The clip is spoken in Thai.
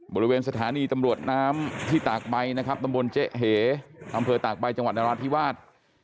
บริเวณสถานีตำรวจน้ำที่ตากใบนะครับตำบลเจ๊เหอำเภอตากใบจังหวัดนราธิวาส